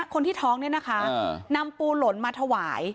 คนที่ท้องเนี่ยนะคะนำปูหล่นมาถวาย